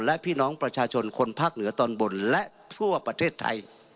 และพี่น้องประชาชนคนภาคเหนือตอนบนและทั่วประเทศไทย